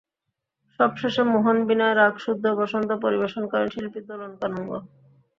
সবশেষে মোহন বীণায় রাগ শুদ্ধ বসন্ত পরিবেশন করেন শিল্পী দোলন কানুনগো।